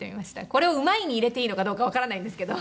これをうまいに入れていいのかどうかわからないんですけど。